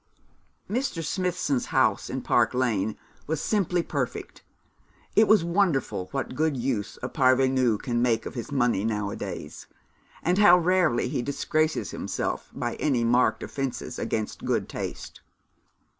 Mr. Smithson's house in Park Lane was simply perfect. It is wonderful what good use a parvenu can make of his money nowadays, and how rarely he disgraces himself by any marked offences against good taste.